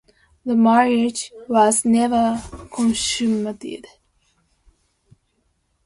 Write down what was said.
The marriage was never consummated.